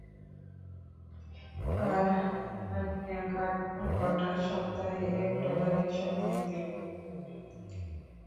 আর হানিয়াকটা সপ্তাহে এক ডলারে এসব ধুয়ে দেবে।